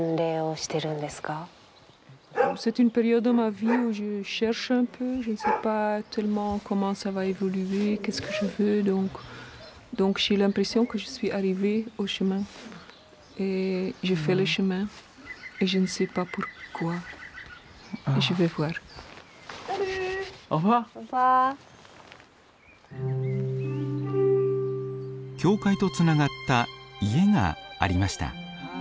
教会とつながった家がありました。